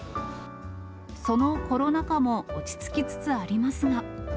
そのコロナ禍も落ち着きつつありますが。